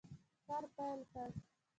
کار پیل کړ.